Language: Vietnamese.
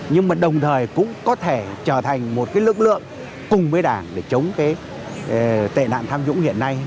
nhưng mà đồng thời cũng có thể trở thành một cái lực lượng cùng với đảng để chống cái tệ nạn tham nhũng hiện nay